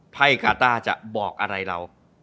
ไพ่กาต้าจะบอกอะไรเรา